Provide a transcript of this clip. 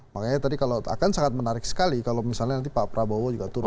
makanya tadi kalau akan sangat menarik sekali kalau misalnya nanti pak prabowo juga turun